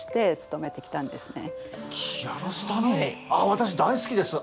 私大好きです。